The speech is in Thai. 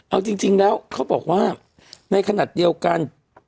เอาจริงแล้วเขาบอกว่าในขณะเดียวกัน